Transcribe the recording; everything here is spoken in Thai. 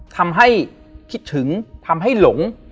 ทำให้คิดถึงทำให้หลง